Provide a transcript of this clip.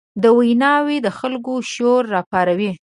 دا ویناوې د خلکو شور راپاروي.